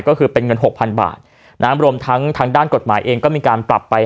ก็คือเป็นเงินหกพันบาทน้ำรวมทั้งทางด้านกฎหมายเองก็มีการปรับไป